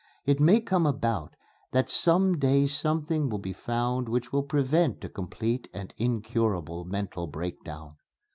It may come about that some day something will be found which will prevent a complete and incurable mental breakdown...."